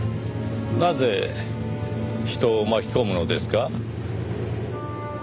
なぜ人を巻き込むのですか？